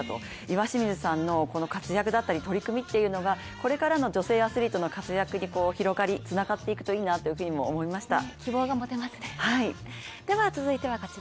岩清水さんのこの活躍や取り組みというのがこれからの女性アスリートの活躍に広がり、つながっていくといいなっていうふうに思いました。